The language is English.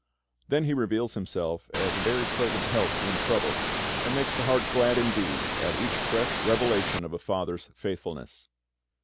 Then He reveals Himself as "a very present help in trouble," and makes the heart glad indeed at each fresh revelation of a FATHER'S faithfulness.